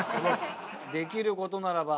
できることならば。